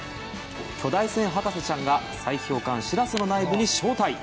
巨大船博士ちゃんが砕氷艦「しらせ」の内部に招待！